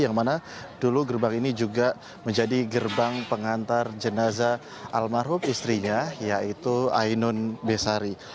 yang mana dulu gerbang ini juga menjadi gerbang pengantar jenazah almarhum istrinya yaitu ainun besari